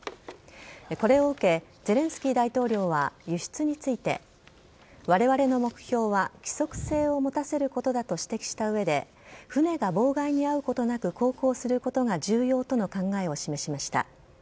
これを受けゼレンスキー大統領は輸出についてわれわれの目標は規則性を持たせることだと指摘した上で船が妨害に遭うことなく航行することが重要との考えを示しました。